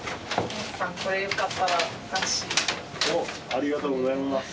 ありがとうございます。